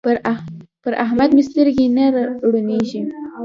پر احمد مې سترګې نه روڼېږي.